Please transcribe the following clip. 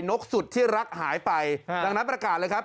นกสุดที่รักหายไปดังนั้นประกาศเลยครับ